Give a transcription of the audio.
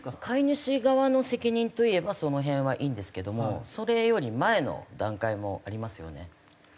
飼い主側の責任といえばその辺はいいんですけどもそれより前の段階もありますよね。